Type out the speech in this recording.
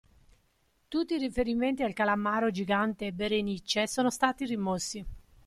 Tutti i riferimenti al calamaro gigante Berenice sono stati rimossi.